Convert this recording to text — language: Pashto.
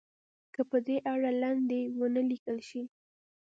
که په دې اړه لنډۍ ونه لیکل شي.